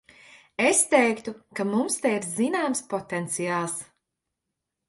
Es teiktu, ka mums te ir zināms potenciāls.